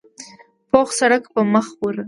پوخ سړک په مخه ورغی.